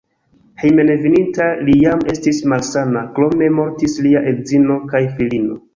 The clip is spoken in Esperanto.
Hejmenveninta li jam estis malsana, krome mortis lia edzino kaj filino.